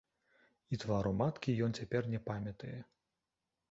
І твару маткі ён цяпер не памятае.